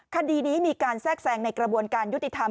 คดีนี้มีการแทรกแทรงในกระบวนการยุติธรรม